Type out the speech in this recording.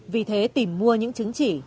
vì thế tìm mua những chứng chỉ